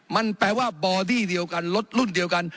มันแปลว่าบอที่เดียวกันรถรุ่นเดียวกัน